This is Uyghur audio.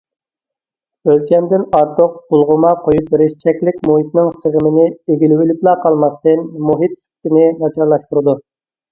ئۆلچەمدىن ئارتۇق بۇلغىما قويۇپ بېرىش چەكلىك مۇھىتنىڭ سىغىمىنى ئىگىلىۋېلىپلا قالماستىن، مۇھىت سۈپىتىنى ناچارلاشتۇرىدۇ.